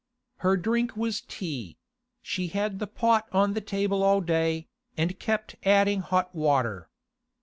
Her drink was tea; she had the pot on the table all day, and kept adding hot water.